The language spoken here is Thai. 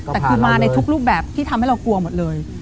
แต่คือมาในทุกรูปแบบที่ทำให้เรากลัวหมดเลย